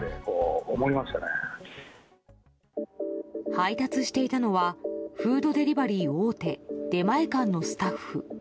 配達していたのはフードデリバリー大手出前館のスタッフ。